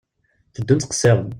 Tteddun ttqesiren.